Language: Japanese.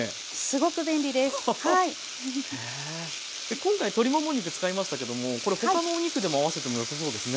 今回鶏もも肉使いましたけどもこれ他のお肉でも合わせてもよさそうですね。